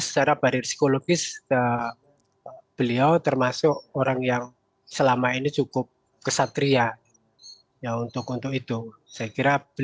secara barir psikologis berbicara termasuk orang yang selama ini cukup kesatria ya untuk itu mau mengambil